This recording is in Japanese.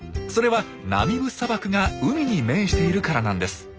それはナミブ砂漠が海に面しているからなんです。